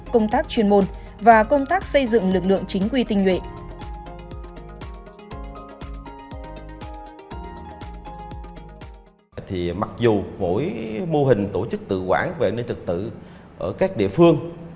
công tác chuyên môn và công tác xây dựng lực lượng chính quy tinh nhuệ